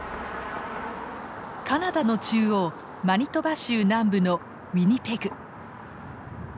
カナダの中央マニトバ州南部のウィニペグ。